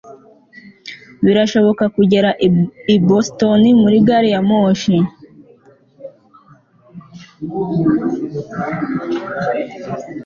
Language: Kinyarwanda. birashoboka kugera i boston muri gari ya moshi